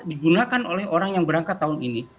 digunakan oleh orang yang berangkat tahun ini